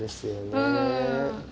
うん。